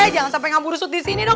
jangan sampai ngambur rusut di sini dong